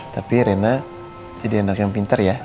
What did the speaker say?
tapi reina jadi anak yang pinter ya